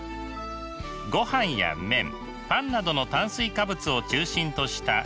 ごはんや麺パンなどの炭水化物を中心とした主食。